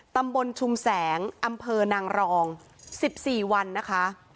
ตำบลชุมแสงอำเภอนางรอง๑๔วันนะคะ